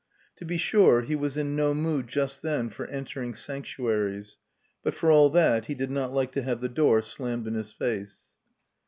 To be sure he was in no mood just then for entering sanctuaries; but for all that he did not like to have the door slammed in his face.